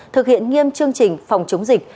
thực hiện nghiêm chương trình phòng chống dịch